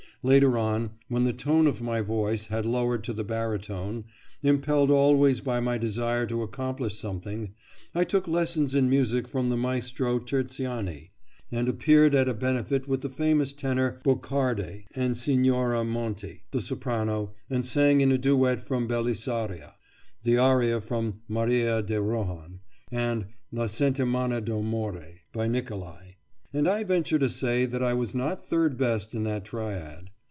Later on, when the tone of my voice; had lowered to the barytone, impelled always by my desire to accomplish something, I took lessons in music from the Maestro Terziani, and appeared at a benefit with the famous tenor Boucarde, and Signora Monti, the soprano, and sang in a duet from "Belisaria," the aria from "Maria di Rohan,"and "La Settimana d'Amore," by Niccolai; and I venture to say that I was not third best in that triad.